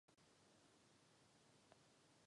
Film sklidil kritiku a nedosáhl na dobré hodnocení.